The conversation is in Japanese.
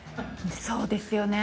そうですよね。